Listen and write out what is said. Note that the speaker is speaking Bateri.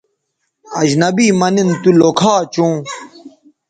اجنبی مہ نِن تو لوکھا چوں